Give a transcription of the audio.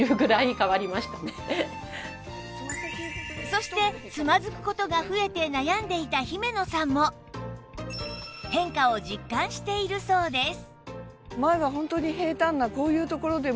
そしてつまずく事が増えて悩んでいた姫野さんも変化を実感しているそうです